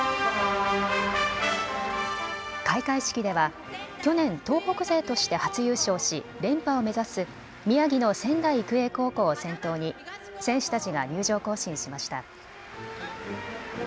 開会式では、去年東北勢として初優勝し連覇を目指す宮城の仙台育英高校を先頭に選手たちが入場行進しました。